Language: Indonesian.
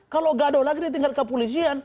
kalau gaduh lagi di tingkat kapolisian